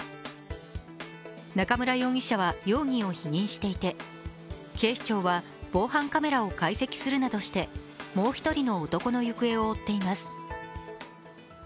中村容疑者は容疑を否認していて警視庁は防犯カメラを解析するなどしてもう１人の男の行方を追っています